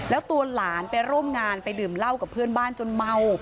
แล้วตัวหลานไปร่วมงานไปดื่มเหล้ากับเพื่อนบ้านจนเมา